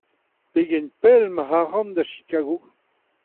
Pegen pell emañ ac'hann da Chicago ?